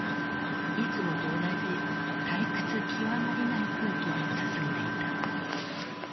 いつもと同じ退屈極まりない空気で進んでいた。